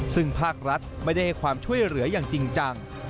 ซึ่งภาครัฐไม่ได้ให้ความช่วยเหลืออย่างจริงจัง